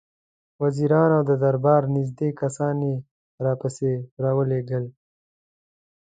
وزیران او د دربار نېږدې کسان یې راپسې را ولېږل.